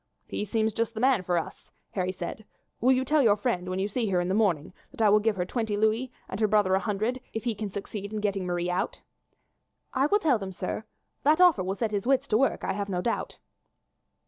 "He seems just the man for us," Harry said. "Will you tell your friend, when you see her in the morning, that I will give her twenty louis and her brother a hundred if he can succeed in getting Marie out?" "I will tell them, sir. That offer will set his wits to work, I have no doubt."